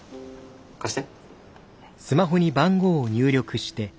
貸して。